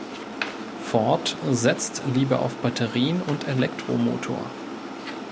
Ford setzt lieber auf Batterien und Elektromotor.